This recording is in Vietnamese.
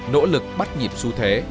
nỗ lực bắt nhịp xu thế